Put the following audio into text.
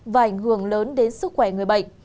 và ảnh hưởng lớn đến sức khỏe người bệnh